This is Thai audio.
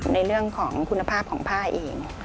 ในเรื่องของคุณภาพของผ้าเอง